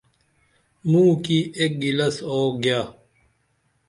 موکی اک گِلس آو گیا